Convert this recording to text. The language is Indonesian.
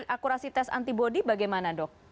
akurasi tes antibody bagaimana dok